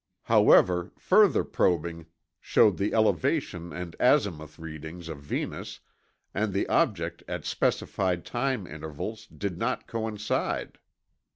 However, further probing showed the elevation and azimuth readings of Venus and the object at specified time intervals did not coincide.